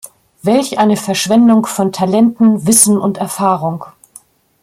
Welch eine Verschwendung von Talenten, Wissen und Erfahrung!